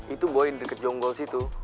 itu boy di deket jonggol situ